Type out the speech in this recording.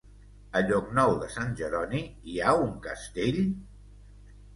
A Llocnou de Sant Jeroni hi ha un castell?